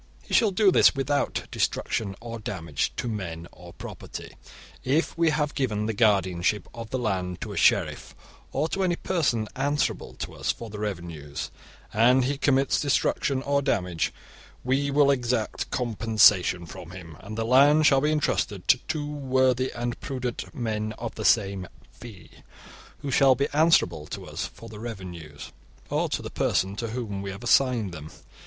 He shall do this without destruction or damage to men or property. If we have given the guardianship of the land to a sheriff, or to any person answerable to us for the revenues, and he commits destruction or damage, we will exact compensation from him, and the land shall be entrusted to two worthy and prudent men of the same 'fee', who shall be answerable to us for the revenues, or to the person to whom we have assigned them.